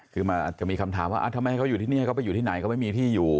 คือมันอาจจะมีคำถามว่าทำไมเขาอยู่ที่นี่เขาไปอยู่ที่ไหนเขาไม่มีที่อยู่